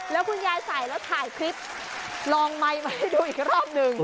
แล้วคุณยายใส่แล้วถ่ายคลิปลองไมค์มาให้ดูอีกรอบหนึ่ง